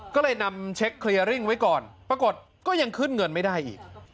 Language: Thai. ก็เลยนำเช็คเคลียร์ริ่งไว้ก่อนปรากฏก็ยังขึ้นเงินไม่ได้อีก